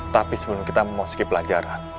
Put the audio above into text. tapi sebelum kita memasuki pelajaran